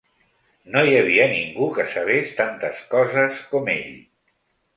No hi havia ningú que sabés tantes coses com ell.